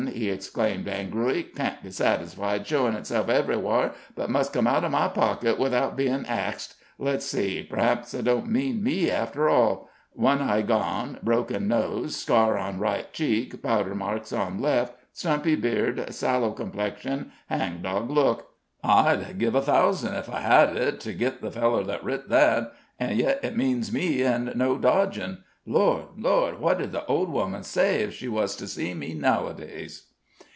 he exclaimed, angrily. "Can't be satisfied showin' itself ev'rywhar, but must come out of my pocket without bein' axed. Let's see, p'r'aps it don't mean me, after all 'One eye gone, broken nose, scar on right cheek, powder marks on left, stumpy beard, sallow complexion, hangdog look.' I'd give a thousand ef I had it to git the feller that writ that; an' yit it means me, an' no dodgin'. Lord, Lord! what 'ud the old woman say ef she wuz to see me nowadays?"